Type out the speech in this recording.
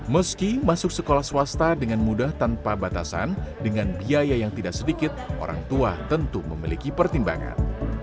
meski masuk sekolah swasta dengan mudah tanpa batasan dengan biaya yang tidak sedikit orang tua tentu memiliki pertimbangan